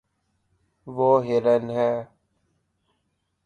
وہ ہرن ہے